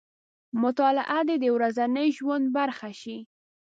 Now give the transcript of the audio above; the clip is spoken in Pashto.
مطالعه دې د ورځني ژوند برخه شي.